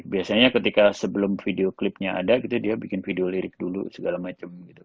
biasanya ketika sebelum video klipnya ada gitu dia bikin video lirik dulu segala macam gitu